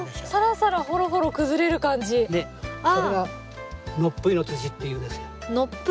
それがのっぷいの土っていうんですよ。